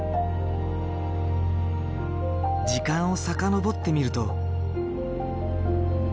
時間を遡ってみると。